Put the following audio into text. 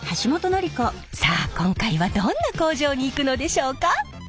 さあ今回はどんな工場に行くのでしょうか？